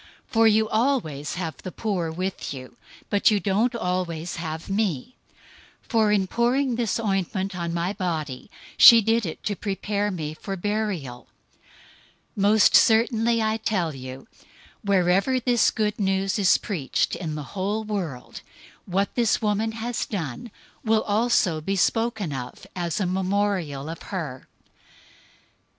026:011 For you always have the poor with you; but you don't always have me. 026:012 For in pouring this ointment on my body, she did it to prepare me for burial. 026:013 Most certainly I tell you, wherever this Good News is preached in the whole world, what this woman has done will also be spoken of as a memorial of her."